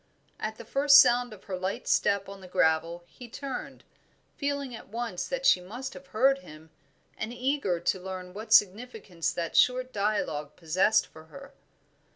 At the first sound of her light step on the gravel he turned, feeling at once that she must have heard, and eager to learn what significance that short dialogue possessed for her.